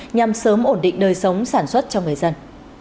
nhằm sớm ổn định đời sống sản xuất cho người dân